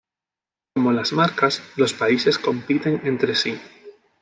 Como las marcas, los países compiten entre sí.